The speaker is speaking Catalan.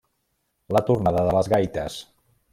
La tornada de les gaites.